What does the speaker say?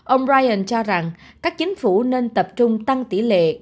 ông ryan cho rằng các chính phủ nên tập trung tăng tỷ lệ